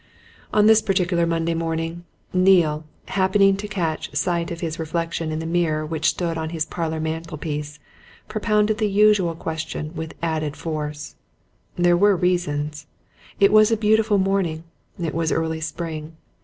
On this particular Monday morning, Neale, happening to catch sight of his reflection in the mirror which stood on his parlour mantelpiece, propounded the usual question with added force. There were reasons. It was a beautiful morning. It was early spring.